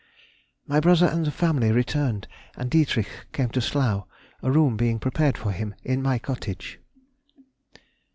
_—My brother and the family returned, and Dietrich came to Slough, a room being prepared for him in my cottage.